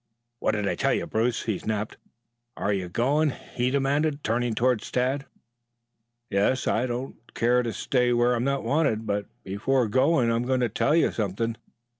"What did I tell you, Bruce?" he snapped. "Are you going?" he demanded, turning towards Tad. "Yes. I don't care to stay where I'm not wanted. But before going I am going to tell you something.